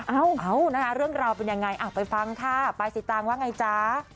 เอานะคะเรื่องราวเป็นยังไงไปฟังค่ะปลายสิตางว่าไงจ๊ะ